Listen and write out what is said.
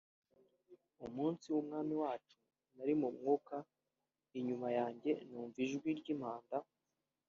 umunsi w’Umwami wacu nari mu Mwuka inyuma yanjye numva ijwi ry’impanda